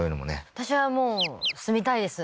私はもう住みたいです